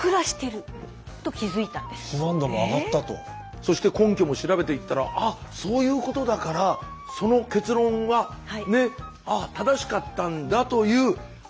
そして根拠も調べていったらあっそういうことだからその結論は正しかったんだというある一品に出会います。